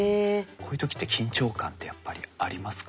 こういう時って緊張感ってやっぱりありますか？